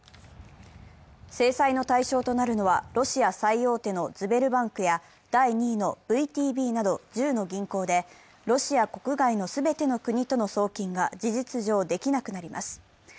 制裁の対象となるのはロシア最大手のズベルバンクや第２位のＶＴＢなど１０の銀行で、ロシア国外の全ての国との送金が事実上できなくなります。